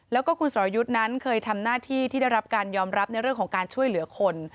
แล้วก็คุณสรยุทธ์นั้นเคยทำหน้าที่ที่ได้รับการยอมรับในเรื่องของการช่วยเหลือคน